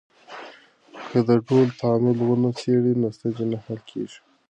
که د ډلو تعامل ونه څېړې، ستونزې نه حل کېږي.